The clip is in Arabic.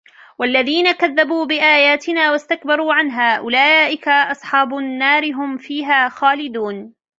والذين كذبوا بآياتنا واستكبروا عنها أولئك أصحاب النار هم فيها خالدون